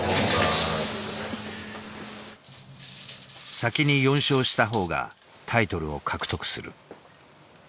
先に４勝した方がタイトルを獲得する。